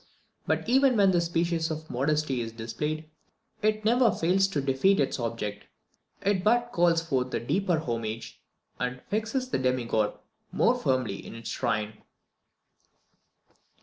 But even when this species of modesty is displayed, it never fails to defeat its object. It but calls forth a deeper homage, and fixes the demigod more firmly in his shrine.